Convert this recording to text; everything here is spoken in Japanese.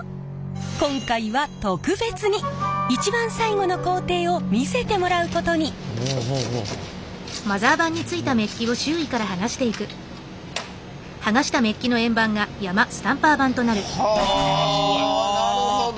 今回は特別に一番最後の工程を見せてもらうことに。はなるほど！